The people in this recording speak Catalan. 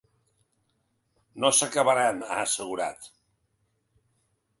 No s’acabaran, ha assegurat.